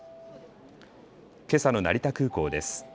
けさの成田空港です。